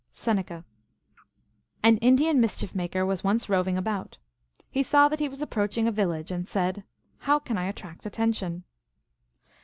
(Seneca.) An Indian mischief maker was once roving about. He saw that he was approaching a village, and said, " How can I attract attention